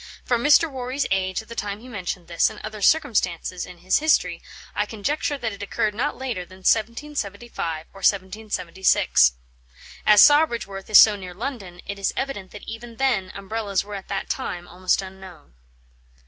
From Mr. Warry's age at the time he mentioned this, and other circumstances in his history, I conjecture that it occurred not later than 1775 or 1776. As Sawbridgeworth is so near London, it is evident that even then umbrellas were at that time almost unknown."